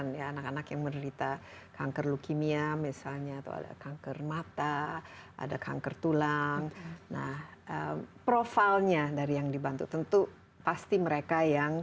dari seluruh indonesia